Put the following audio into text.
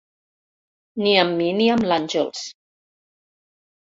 Ni amb mi ni amb l'Àngels.